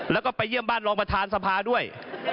แล้วก็ไปเยี่ยมบ้านรองประธานสภาด้วย